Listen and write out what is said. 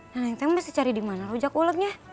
neneng kamu pasti cari di mana rujak mulutnya